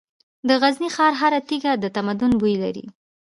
د غزني ښار هره تیږه د تمدن بوی لري.